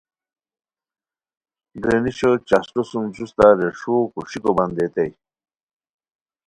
گرینیشو چاشٹو سُم جوستہ ریݰوؤ کو ݰیکو بندیتائے